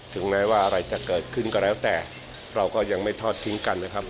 ถึงแม้ว่าอะไรจะเกิดขึ้นก็แล้วแต่เราก็ยังไม่ทอดทิ้งกันนะครับ